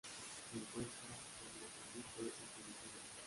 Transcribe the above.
Se encuentra en Mozambique y Filipinas.